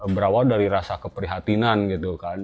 berawal dari rasa keprihatinan gitu kan